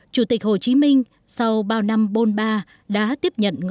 chủ tịch hồ chí minh sau bao năm bôn ba đã tiếp nhận ngọn ngào